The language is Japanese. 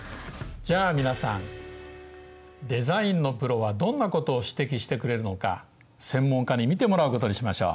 じゃあ皆さんデザインのプロはどんなことを指摘してくれるのか専門家に見てもらうことにしましょう。